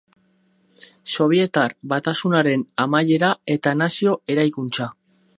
Sobietar Batasunaren amaiera eta nazio eraikuntza.